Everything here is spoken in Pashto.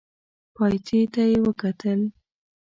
پايڅې ته يې وکتل.